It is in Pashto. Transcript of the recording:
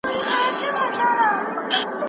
خلکو د میرویس نیکه خبره ومنله او راټول سول.